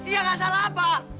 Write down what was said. ya nggak salah apa